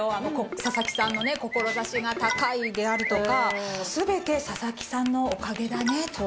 佐々木さんのね「志が高い」であるとか「全て佐々木さんのおかげだね」とか。